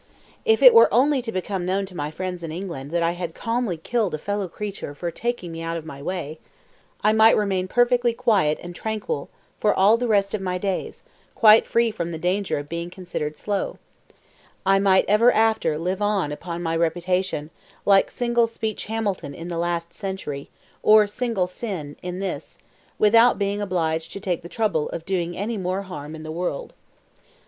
If it were only to become known to my friends in England that I had calmly killed a fellow creature for taking me out of my way, I might remain perfectly quiet and tranquil for all the rest of my days, quite free from the danger of being considered "slow"; I might ever after live on upon my reputation, like "single speech Hamilton" in the last century, or "single sin—" in this, without being obliged to take the trouble of doing any more harm in the world.